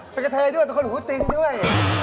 เป็นกระเทยด้วยเป็นคนหูติงด้วย